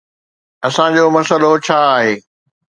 اسان جو مسئلو ڇا آهي؟